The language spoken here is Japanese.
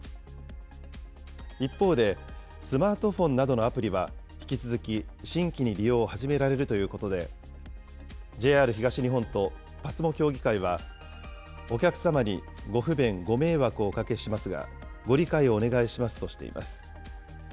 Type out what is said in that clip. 一方で、スマートフォンなどのアプリは、引き続き、新規に利用を始められるということで、ＪＲ東日本とＰＡＳＭＯ協議会は、お客様にご不便、ご迷惑をおかけしますが、ご理解をお願いしますとしています。